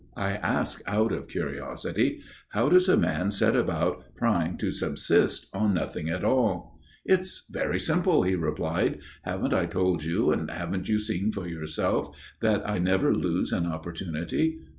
I ask out of curiosity. How does a man set about trying to subsist on nothing at all?" "It's very simple," he replied. "Haven't I told you, and haven't you seen for yourself, that I never lose an opportunity?